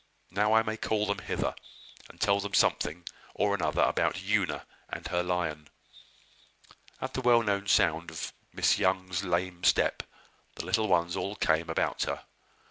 Now I may call them hither, and tell them something or another about Una and her lion." At the well known sound of Miss Young's lame step, the little ones all came about her.